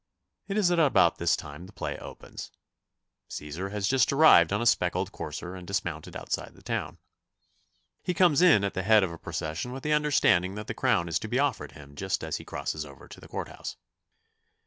It is at about this time the play opens. Cæsar has just arrived on a speckled courser and dismounted outside the town. He comes in at the head of a procession with the understanding that the crown is to be offered him just as he crosses over to the Court House.